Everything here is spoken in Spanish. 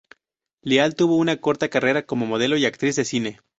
Leal tuvo una corta carrera como modelo y actriz de cine.